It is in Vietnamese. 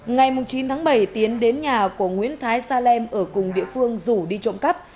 ngày chín tháng bảy tiến đến nhà của nguyễn thái sa lem ở cùng địa phương rủ đi trộm cắp